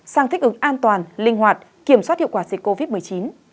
sang thích ứng an toàn linh hoạt kiểm soát hiệu quả dịch covid một mươi chín